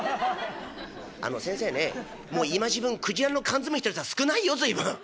「あの先生ねもう今時分くじらの缶詰知ってる人は少ないよ随分。